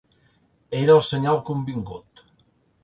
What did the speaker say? Era el senyal convingut.